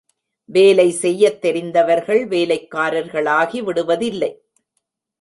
வேலை செய்யத் தெரிந்தவர்கள் வேலைக்காரர்களாகி விடுவதில்லை.